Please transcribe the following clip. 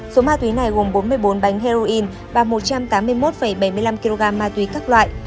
số ma túy này gồm bốn mươi bốn bánh heroin và một trăm tám mươi một bảy mươi năm kg ma túy các loại